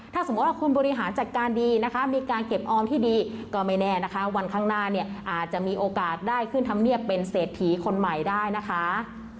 ถ้าสมมุติว่าคุณบริหารจัดการดีนะคะมีการเก็บออมที่ดีก็ไม่แน่นะคะวันข้างหน้าเนี่ยอาจจะมีโอกาสได้ขึ้นธรรมเนียบเป็นเศรษฐีคนใหม่ได้นะคะ